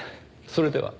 それでは。